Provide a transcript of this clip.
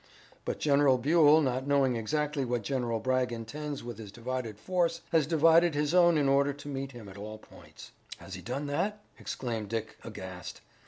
"But General Buell, not knowing exactly what General Bragg intends with his divided force, has divided his own in order to meet him at all points." "Has he done that?" exclaimed Dick aghast.